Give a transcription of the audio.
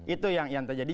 itu yang terjadi